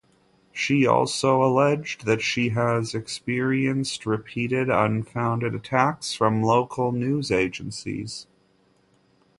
She also alleged that she has experienced repeated unfounded attacks from local news agencies.